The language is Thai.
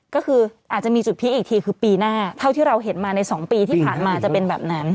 ก็คืออาจจะมีจุดพีคอีกทีคือปีหน้าเท่าที่เราเห็นมาใน๒ปีที่ผ่านมาจะเป็นแบบนั้น